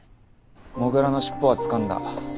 土竜の尻尾はつかんだ。